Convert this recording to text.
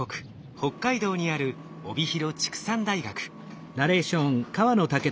北海道にある帯広畜産大学。